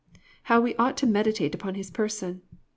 How we ought to meditate upon His person!